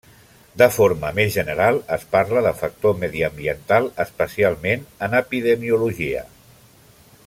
De forma més general es parla de factor mediambiental especialment en epidemiologia.